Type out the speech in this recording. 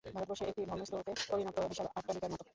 ভারতবর্ষ একটি ভগ্নস্তূপে পরিণত বিশাল অট্টালিকার মত।